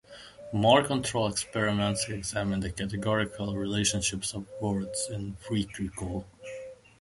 More controlled experiments examine the categorical relationships of words in free recall.